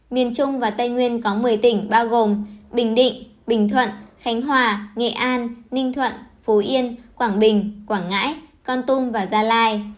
miền trung và tây nguyên có một mươi tỉnh bao gồm bình định bình thuận khánh hòa nghệ an ninh thuận phú yên quảng bình quảng ngãi con tum và gia lai